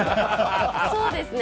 そうですね。